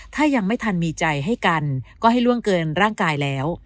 ถ้ายังไม่ทันมีใจให้กันก็ให้ล่วงเกินร่างกายแล้ว